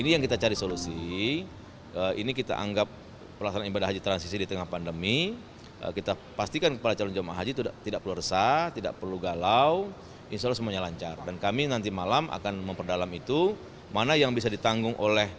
yang diberi oleh negara dalam ini apbn